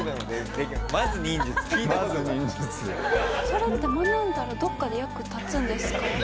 それって学んだらどこかで役立つんですか？